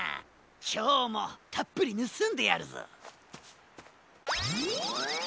きょうもたっぷりぬすんでやるぞ！